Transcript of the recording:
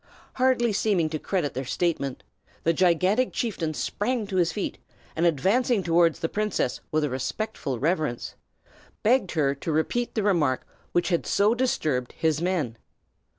Hardly seeming to credit their statement, the gigantic chieftain sprang to his feet, and advancing toward the princess with a respectful reverence, begged her to repeat the remark which had so disturbed his men.